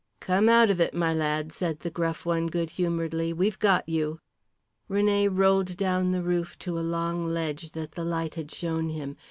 "Come out of it, my lad," said the gruff one good humouredly. "We've got you." René rolled down the roof to a long ledge that the light had shown him.